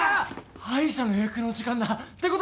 歯医者の予約の時間だ！ってことでまたあした！